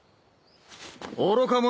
愚か者。